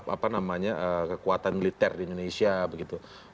apa namanya kekuatan militer di indonesia begitu